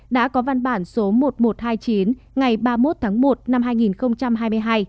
đã có văn bản số một nghìn một trăm hai mươi chín ngày ba mươi một tháng một năm hai nghìn hai mươi hai